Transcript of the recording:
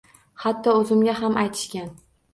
Hatto oʻzimga ham aytishgan